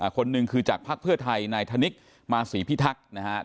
คนหนึ่งคือจากภักดิ์เพื่อไทยนายธนิกมาศรีพิทักษ์นะครับ